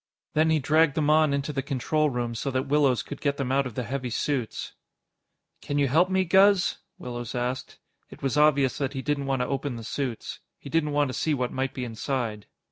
Then he dragged them on into the control room so that Willows could get them out of the heavy suits. "Can you help me, Guz?" Willows asked. It was obvious that he didn't want to open the suits. He didn't want to see what might be inside.